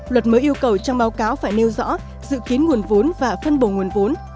luật mới yêu cầu trong báo cáo phải nêu rõ dự kiến nguồn vốn và phân bổ nguồn vốn